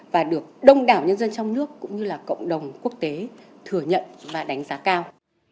và được đông đảo nhân dân trong nước cũng như là cộng đồng quốc tế thừa nhận và đánh giá cao